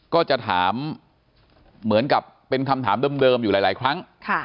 ก็จะถามเหมือนกับเป็นคำถามเดิมอยู่หลายครั้ง